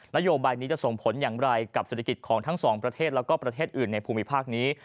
นโยบายนี้จะส่งผลอย่างไรกับเศรษฐกิจของทั้งสองประเทศแล้วก็ประเทศอื่นในภูมิภาคนี้